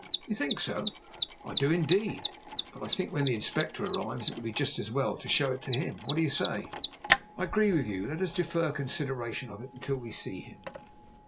"You think so?" "I do indeed. But I think when the Inspector arrives it would be just as well to show it to him. What do you say?" "I agree with you. Let us defer consideration of it until we see him."